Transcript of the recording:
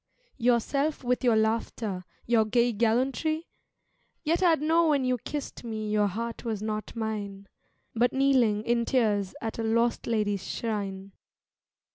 Yourself with your laughter, your gay gallantry? Yet I'd know when you kissed me your heart was not mine But kneeling in tears at a lost lady's shrine.